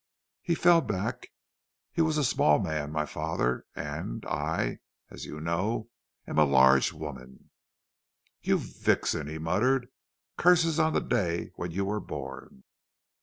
"He fell back; he was a small man, my father, and I, as you know, am large for a woman. "'You vixen!' he muttered, 'curses on the day when you were born!'